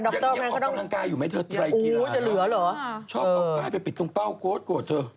อย่างนี้ออกกำลังกายอยู่ไหมเธอไทยกีฬานะชอบค่อยไปปิดตรงเป้าโกรธโกรธเถอะ